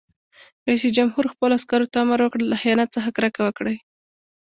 رئیس جمهور خپلو عسکرو ته امر وکړ؛ له خیانت څخه کرکه وکړئ!